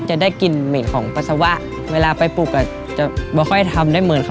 จะได้กลิ่นเหม็นของปัสสาวะเวลาไปปลูกจะไม่ค่อยทำได้เหมือนค่ะ